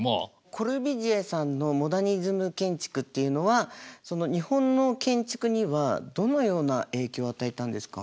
コルビュジエさんのモダニズム建築っていうのは日本の建築にはどのような影響を与えたんですか？